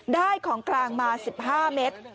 ได้ของกลางมา๑๕เมตร